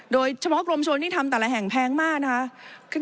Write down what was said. โดยเฉพาะกรมชนที่ทำแต่ละแห่งแพงมากนะคะ